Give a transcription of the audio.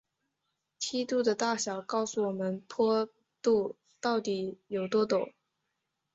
梯度的大小告诉我们坡度到底有多陡。